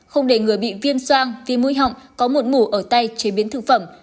không để người bị viêm soan viêm mũi họng có một mũ ở tay chế biến thực phẩm